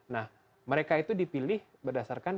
nah mereka itu dipilih berdasarkan